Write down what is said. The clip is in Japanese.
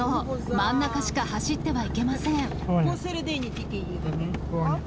真ん中しか走ってはいけません。